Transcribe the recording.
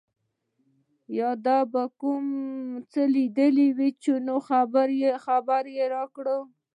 یا دي کوم څه لیدلي وي نو خبر راکړه.